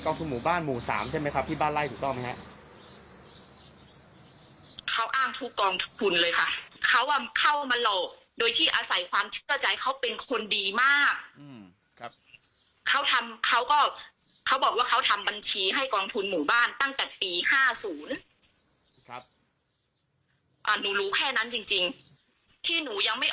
เป็นกองทุนหมู่บ้านหมู่๓ใช่ไหมค่ะที่บ้านไร้ถูกต้องไหมฮะ